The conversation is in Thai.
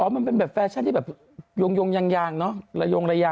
อ๋อมันเป็นแบบแฟชั่นที่แบบยงยางเนาะ